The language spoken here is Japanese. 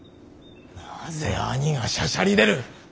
なぜ兄がしゃしゃり出る。